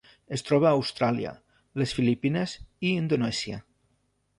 Es troba a Austràlia, les Filipines i Indonèsia.